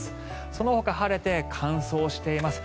そのほか晴れて乾燥しています。